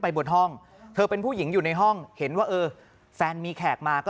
บนห้องเธอเป็นผู้หญิงอยู่ในห้องเห็นว่าเออแฟนมีแขกมาก็